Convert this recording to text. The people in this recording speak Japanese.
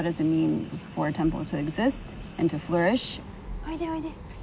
おいでおいで。